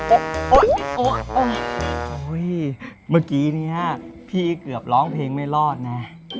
โอ้โหเมื่อกี้เนี่ยพี่เกือบร้องเพลงไม่รอดนะ